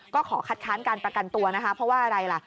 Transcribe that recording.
ก็ขอคัดค้านการประกันตัวนะคะเพราะว่าอะไรล่ะ